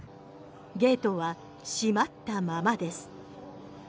ゲートは閉まったままです。